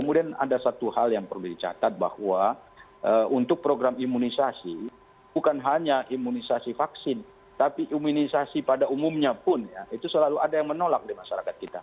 kemudian ada satu hal yang perlu dicatat bahwa untuk program imunisasi bukan hanya imunisasi vaksin tapi imunisasi pada umumnya pun ya itu selalu ada yang menolak di masyarakat kita